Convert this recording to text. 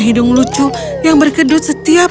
hidung lucu yang berkedut setiap